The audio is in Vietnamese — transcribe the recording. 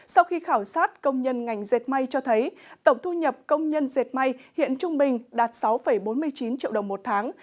sau khi khảo sát công nhân ngành dệt may cho thấy tổng thu nhập công nhân dệt may hiện trung bình đạt sáu bốn mươi chín triệu đồng một tháng